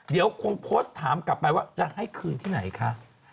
เดี๋ยวคงโพสต์ถามกลับไปว่าจะให้คืนที่ไหนคะ